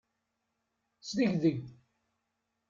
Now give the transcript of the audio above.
Sdegdeg.